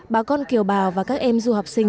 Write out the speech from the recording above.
bà con kiều bào và các em du học sinh